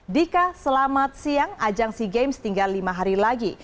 dika selamat siang ajang sea games tinggal lima hari lagi